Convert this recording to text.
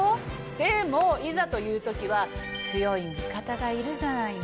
でもいざという時は。がいるじゃないの。